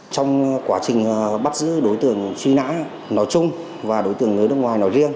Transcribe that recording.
trong quá trình bắt giữ đối tượng truy nã nói chung và đối tượng người nước ngoài nói riêng